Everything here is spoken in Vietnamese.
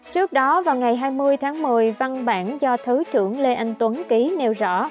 trước đó vào ngày hai mươi tháng một mươi văn bản do thứ trưởng lê anh tuấn ký nêu rõ